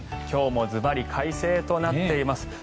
今日もずばり快晴となっています。